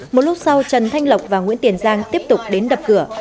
một lúc sau trần thanh lộc và nguyễn tiền giang tiếp tục đến đập cửa